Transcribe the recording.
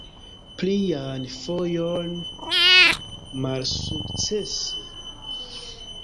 Plian fojon malsukcese.